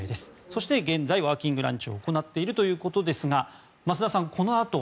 そして現在ワーキングランチを行っているということですが増田さん、このあと